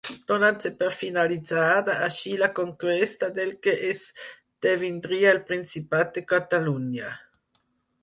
Donant-se per finalitzada així la conquesta del que esdevindria el Principat de Catalunya.